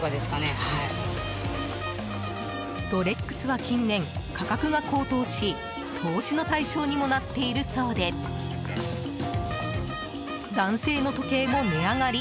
ロレックスは近年、価格が高騰し投資の対象にもなっているそうで男性の時計も値上がり！